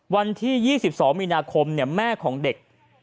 วันที่๒๒มีนาคมแม่ของเด็ก